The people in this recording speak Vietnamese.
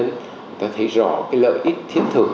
người ta thấy rõ cái lợi ích thiết thực